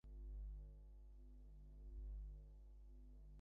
তিনি তাঁহার পায়ের বৃদ্ধাঙ্গুষ্ঠ উহাতে ডুবাইয়া দেন এবং আমরা ঐ জল পান করি।